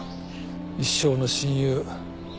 一生の親友。